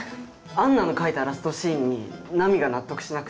杏奈の書いたラストシーンに波が納得しなくて。